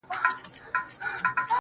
توري جامې ګه دي راوړي دي، نو وایې غونده,